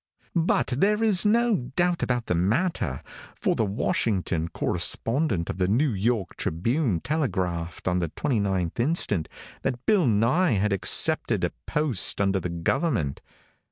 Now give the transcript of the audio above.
But there is no doubt about the matter, for the Washington correspondent of the New York Tribune telegraphed on the 29th instant, that Bill Nye had accepted a post under the government.